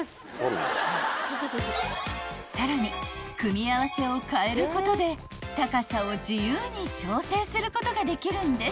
［さらに組み合わせを変えることで高さを自由に調整することができるんです］